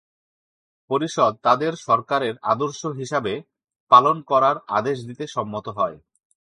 পরিষদ "তাদের সরকারের আদর্শ হিসাবে পালন করার" আদেশ দিতে সম্মত হয়।